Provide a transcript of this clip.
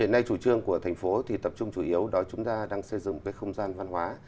hiện nay chủ trương của thành phố thì tập trung chủ yếu đó chúng ta đang xây dựng cái không gian văn hóa